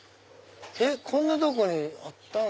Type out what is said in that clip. こんなとこにあったん？